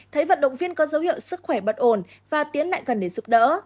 thấy vận động viên có dấu hiệu sức khỏe bất ổn và tiến lại gần để giúp đỡ